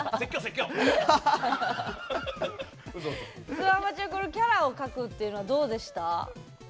すあまちゃん、キャラを描くっていうのはどうでした？